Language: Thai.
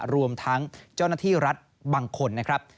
รวมทั้งเจ้าหน้าที่รัฐบางคนนะครับ